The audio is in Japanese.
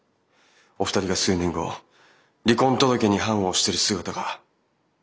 お二人が数年後離婚届に判を押している姿が。